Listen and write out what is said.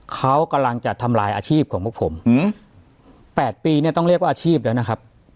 เขากำลังจะทำลายอาชีพของพวกผม๘ปีเนี่ยต้องเรียกว่าอาชีพแล้วนะครับ